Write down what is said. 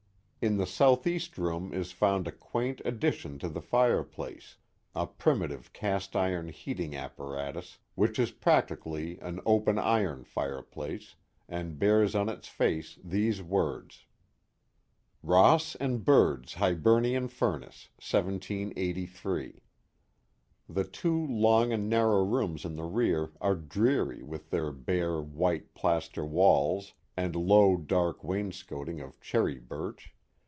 In the southeast room is found a quaint addition to the fire place — a primitive cast iron heating apparatus which is prac tically an open iron fireplace, and bears on its face these words : Ross and Bird's Hibernian Furnace, 1783. The two long and narrow rooms in the rear are dreary with their bare, white, plaster walls and low, dark wainscoting of cherry birch.